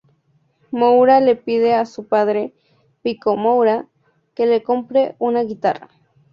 Moura le pide a su padre, Pico Moura, que le compre una guitarra.